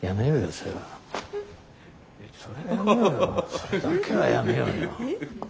それだけはやめようよ。